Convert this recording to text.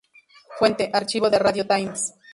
Fuente: Archivo de Radio Times.